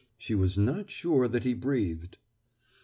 She was not sure that he breathed.